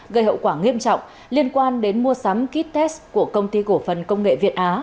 gây hậu quả nghiêm trọng liên quan đến mua sắm kites của công ty cổ phần công nghệ việt á